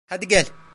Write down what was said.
Hadi gel!